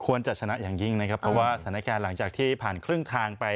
จะชนะอย่างยิ่งนะครับเพราะว่าสถานการณ์หลังจากที่ผ่านครึ่งทางไป